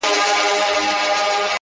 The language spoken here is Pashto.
زندان به نه وي بندیوان به نه وي-